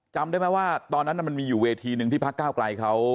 จำได้ไหมว่าตอนนั้นมันมีอยู่เวทีหนึ่งที่พักเก้าไกลเขา